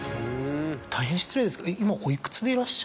大変失礼ですが今。